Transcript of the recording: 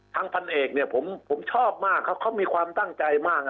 พันเอกเนี่ยผมชอบมากเขามีความตั้งใจมาก